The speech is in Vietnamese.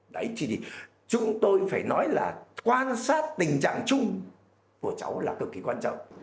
đấy thì chúng tôi phải nói là quan sát tình trạng chung của cháu là cực kỳ quan trọng